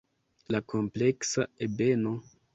La kompleksa ebeno.